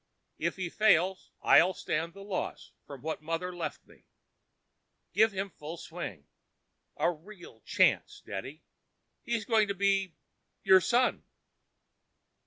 If he fails, I'll stand the loss from what mother left me. Give him full swing—a real chance, daddy! He's going to be—your son."